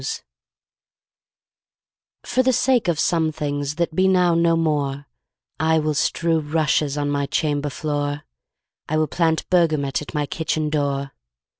ROSEMARY For the sake of some things That be now no more I will strew rushes On my chamber floor, I will plant bergamot At my kitchen door.